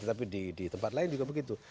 tapi di tempat lain juga begitu